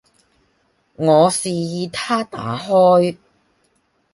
我示意他打開